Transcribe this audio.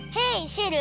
シェル！